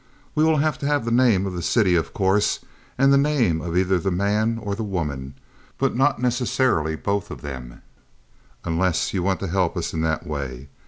We will have to have the name of the city, of course, and the name of either the man or the woman; but not necessarily both of them, unless you want to help us in that way.